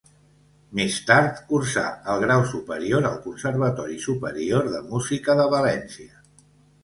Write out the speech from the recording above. Més tard cursà el grau superior al Conservatori Superior de Música de València.